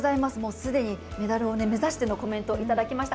すでにメダルを目指してのコメントをいただきました。